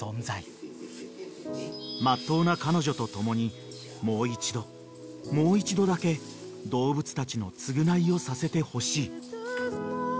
［まっとうな彼女と共にもう一度もう一度だけ動物たちの償いをさせてほしい］